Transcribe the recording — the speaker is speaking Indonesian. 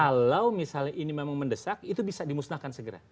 kalau misalnya ini memang mendesak itu bisa dimusnahkan segera